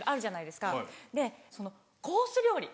でそのコース料理。